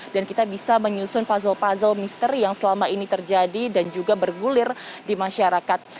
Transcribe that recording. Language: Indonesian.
dan kita bisa menyusun puzzle puzzle misteri yang selama ini terjadi dan juga bergulir di masyarakat